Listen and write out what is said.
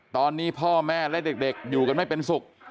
ตอนนี้พ่อแม่และเด็กอยู่กันไม่เป็นสุข